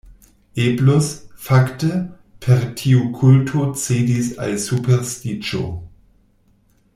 Eblus, fakte, per tiu kulto cedis al superstiĉo.